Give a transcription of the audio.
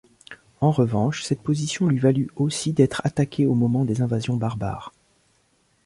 En revanche, cette position lui valut aussi d'être attaquée au moment des invasions barbares.